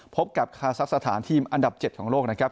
พบกับคาซักสถานทีมอันดับ๗ของโลกนะครับ